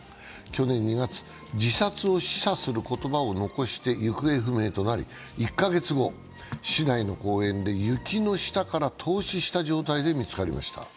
去年２月、自殺を示唆する言葉を残して行方不明となり、１か月後、市内の公園で雪の下から凍死した状態で見つかりました。